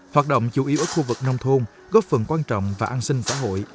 hoạt động chủ yếu ở khu vực nông thôn góp phần quan trọng và an sinh xã hội